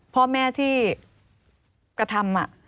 พ่อแม่ที่กระทำ